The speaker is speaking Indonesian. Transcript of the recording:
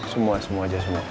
semua semua aja